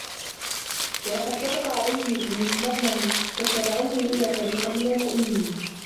ولقد صدق عليهم إبليس ظنه فاتبعوه إلا فريقا من المؤمنين